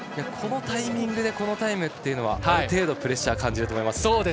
このタイミングでこのタイムっていうのはある程度プレッシャーを感じると思います。